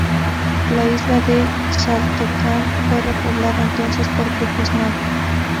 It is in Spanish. La isla de Xaltocan fue repoblada entonces por grupos nahuas.